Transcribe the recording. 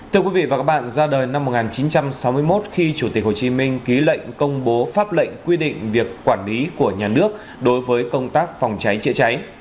thưa quý vị và các bạn ra đời năm một nghìn chín trăm sáu mươi một khi chủ tịch hồ chí minh ký lệnh công bố pháp lệnh quy định việc quản lý của nhà nước đối với công tác phòng cháy chữa cháy